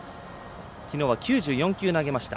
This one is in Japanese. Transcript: きのうは９４球投げました。